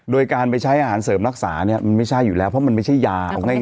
โดยการไปใช้อาหารเสริมรักษาเนี่ยมันไม่ใช่อยู่แล้วเพราะมันไม่ใช่ยาเอาง่าย